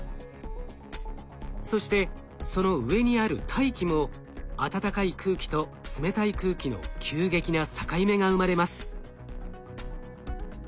そしてその上にある大気も暖かい空気と冷たい空気の急激な境目が生まれます。